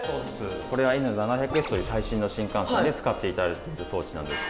これはＮ７００Ｓという最新の新幹線で使っていただいている装置なんです。